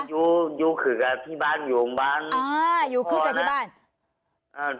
อยู่อยู่คือกับที่บ้านอยู่โรงพยาบาลอ่าอยู่คือกันที่บ้านอ่า